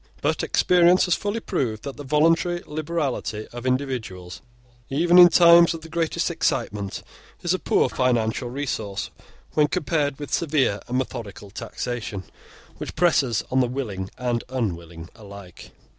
But experience has fully proved that the voluntary liberality of individuals, even in times of the greatest excitement, is a poor financial resource when compared with severe and methodical taxation, which presses on the willing and unwilling alike.